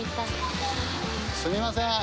すみません！